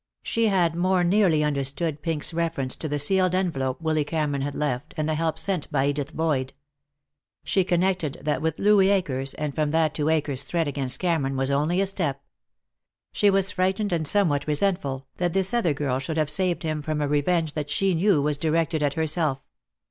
She had more nearly understood Pink's reference to the sealed envelope Willy Cameron had left, and the help sent by Edith Boyd. She connected that with Louis Akers, and from that to Akers' threat against Cameron was only a step. She was frightened and somewhat resentful, that this other girl should have saved him from a revenge that she knew was directed at herself.